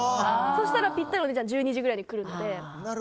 そしたら、ぴったり１２時ぐらいに来るので。